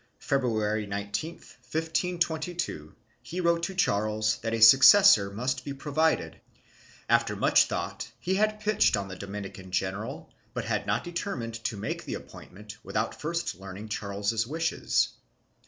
February 19, 1522, he wrote to Charles that a successor must be provided ; after much thought he had pitched on the Dominican General but had not determined to make the appointment without first learning Charles's wishes.